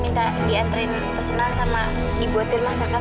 minta diantrein pesenan sama dibuatin masakan